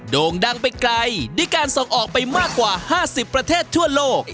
ที่การส่งออกไปมากกว่า๕๐ประเทศทั่วโลก